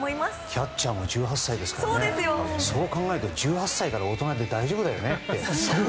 キャッチャーも１８歳ですからね、そう考えると１８歳から大人で大丈夫だよね。